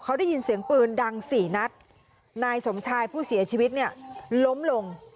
เขาได้ยินเสียงปืนดังสี่นัดนายสมชายผู้เสียชีวิตเนี่ยล้มลง